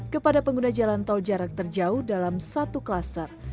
kepada pengguna jalan tol jarak terjauh dalam satu klaster